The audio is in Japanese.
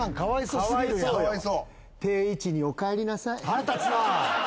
腹立つな！